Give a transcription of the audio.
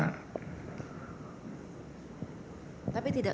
tidak begitu ingat